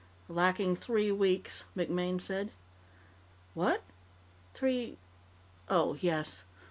"Lacking three weeks," MacMaine said. "What? Three ... oh, yes.